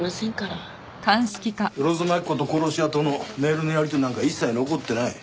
万津蒔子と殺し屋とのメールのやり取りなんか一切残ってない。